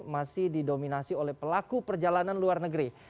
masih didominasi oleh pelaku perjalanan luar negeri